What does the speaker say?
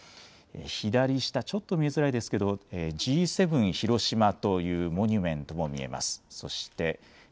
左下、ちょっと見えづらいですけど、Ｇ７ひろしまというモニュメントも見えます。